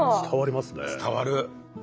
伝わる。